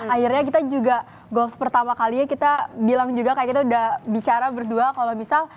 akhirnya kita juga golf pertama kalinya kita bilang juga kayak kita udah bicara berdua kalau misal